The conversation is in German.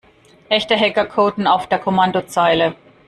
Echte Hacker coden auf der Kommandozeile.